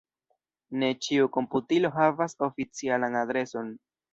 Ne ĉiu komputilo havas oficialan adreson.